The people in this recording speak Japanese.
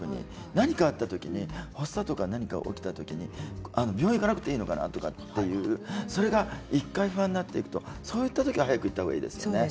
何かあった時に発作とかが起きた時に病院に行かなくていいのかなとかそれが１回不安になるとそういった時は早く病院に行った方がいいですね